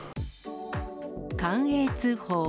寛永通宝。